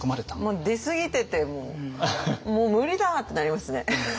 もう出すぎててもう「もう無理だ」ってなりますね。